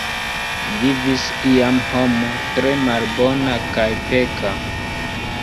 Vivis iam homo tre malbona kaj peka.